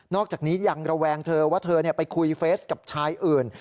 อกจากนี้ยังระแวงเธอว่าเธอไปคุยเฟสกับชายอื่น